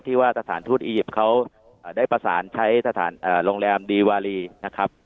ว่าสถานทูตอียิปต์เขาได้ประสานใช้สถานโรงแรมดีวารีนะครับ